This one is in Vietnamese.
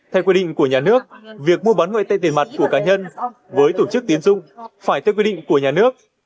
theo quy định của nhà nước việc mua bán ngoại tệ tiền mặt của cá nhân với tổ chức tiến dung phải theo quy định của nhà nước